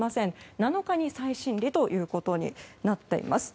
７日に再審理ということになっています。